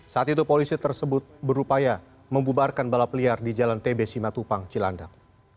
saat itu polisi tersebut berupaya membubarkan balap liar di jalan tb simatupang cilandak